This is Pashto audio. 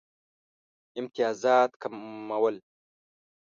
امتیازات کمول.